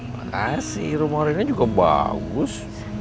makasih rumah renangnya juga bagus